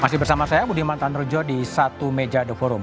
masih bersama saya budi mantan rejo di satu meja the forum